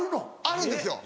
あるんですよ